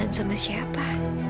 kavadil telponan sama siapa